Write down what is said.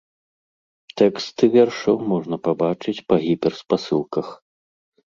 Тэксты вершаў можна пабачыць па гіперспасылках.